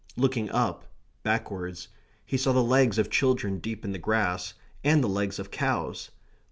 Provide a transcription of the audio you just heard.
Looking up, backwards, he saw the legs of children deep in the grass, and the legs of cows.